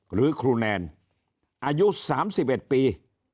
หรือครูแนนอายุสามสิบเอ็ดปี